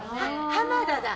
浜田だ。